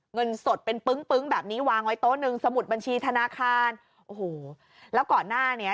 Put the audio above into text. เงินสดเป็นปึ้งปึ๊งแบบนี้วางไว้โต๊ะหนึ่งสมุดบัญชีธนาคารโอ้โหแล้วก่อนหน้านี้